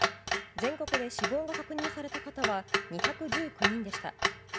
全国で死亡が確認された方は２１９人でした。